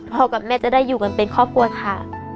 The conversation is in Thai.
กับแม่จะได้อยู่กันเป็นครอบครัวค่ะ